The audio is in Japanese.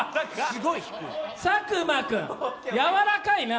佐久間君、やわらかいな！